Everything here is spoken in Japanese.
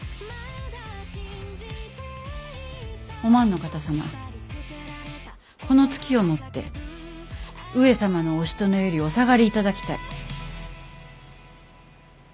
お万の方様この月をもって上様のおしとねよりお下がり頂きたい。